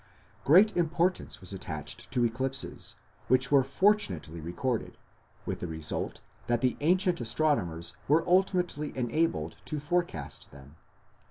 Great importance was attached to eclipses, which were fortunately recorded, with the result that the ancient astronomers were ultimately enabled to forecast them.